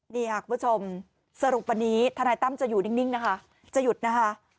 นี่ค่ะคุณผู้ชมสรุปวันนี้ทนายตั้มจะอยู่นิ่งนะคะจะหยุดนะคะ